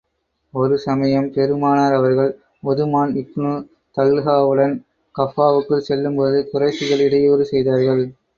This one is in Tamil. ஒரு சமயம், பெருமானார் அவர்கள், உதுமான் இப்னு தல்ஹாவுடன் கஃபாவுக்குள் செல்லும் போது, குறைஷிகள் இடையூறு செய்தார்கள்.